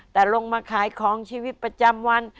แต่ลงมาขายของชีวิตประจำวัน